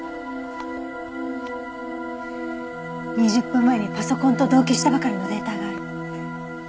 ２０分前にパソコンと同期したばかりのデータがある。